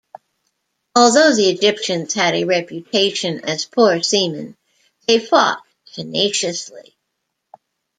Although the Egyptians had a reputation as poor seamen, they fought tenaciously.